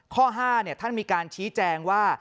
ข้อ๕ท่านมีการชี้แจงว่า